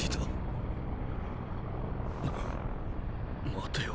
⁉待てよ